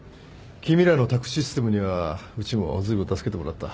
君らの宅・システムにはうちもずいぶん助けてもらった。